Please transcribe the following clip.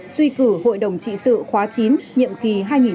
suy cử hội đồng trị sự khóa chín nhiệm kỳ hai nghìn hai mươi hai hai nghìn hai mươi bảy